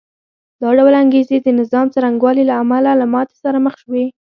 دا ډول انګېزې د نظام څرنګوالي له امله له ماتې سره مخ شوې